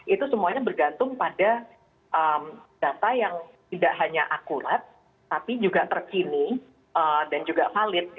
itu semuanya bergantung pada data yang tidak hanya akurat tapi juga terkini dan juga valid